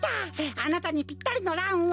あなたにぴったりのランは。